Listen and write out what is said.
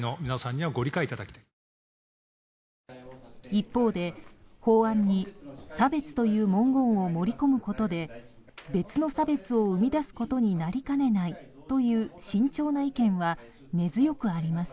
一方で、法案に差別という文言を盛り込むことで別の差別を生み出すことになりかねないという慎重な意見は根強くあります。